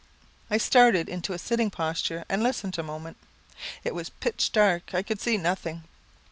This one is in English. I started into a sitting posture, and listened a moment. It was pitch dark; I could see nothing.